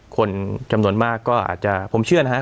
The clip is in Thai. คนจำนวนมากก็อาจจะผมเชื่อนะฮะ